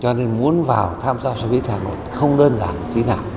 cho nên muốn vào tham gia xoay bít hà nội không đơn giản như thế nào